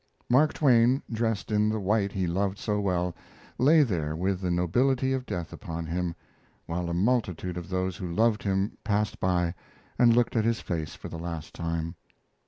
Mark Twain, dressed in the white he loved so well, lay there with the nobility of death upon him, while a multitude of those who loved him passed by and looked at his face for the last time.